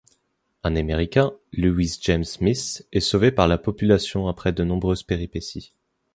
Un américain, Lewis James Smith, est sauvé par la population après de nombreuses péripéties.